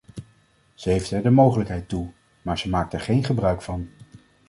Ze heeft er de mogelijkheid toe, maar ze maakt er geen gebruik van.